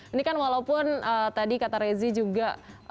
ini kan walaupun tadi kata rezi juga